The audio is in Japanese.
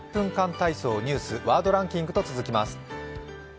体操」、ニュース、ワードランキングと続きます。